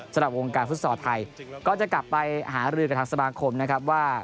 สำหรับวงการฟุตซอลไทยก็จะกลับไปหารือกับทางสมาคมนะครับว่า